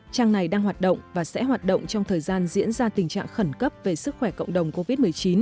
trang này đang hoạt động và sẽ hoạt động trong thời gian diễn ra tình trạng khẩn cấp về sức khỏe cộng đồng covid một mươi chín